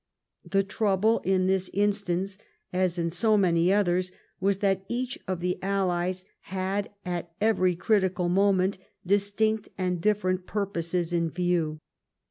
The trouble in this instance, as in so many others, was that each of the allies had at every critical moment distinct and different pur poses in view.